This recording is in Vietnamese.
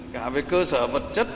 cả với cơ sở vật chất